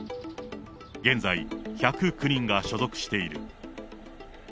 現在、１０９人が所属している。